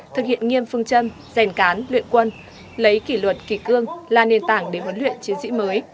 thực hiện nghiêm phương châm rèn cán luyện quân lấy kỷ luật kỷ cương là nền tảng để huấn luyện chiến sĩ mới